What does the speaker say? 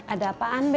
ada apaan be